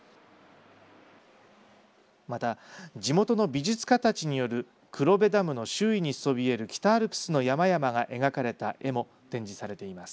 また、地元の美術家たちによる黒部ダムの周囲にそびえる北アルプスの山々が描かれた絵も展示されています。